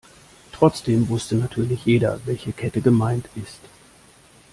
Trotzdem wusste natürlich jeder, welche Kette gemeint ist.